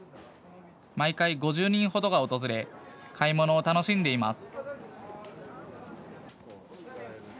毎回５０人程が訪れ買い物を楽しんでいます。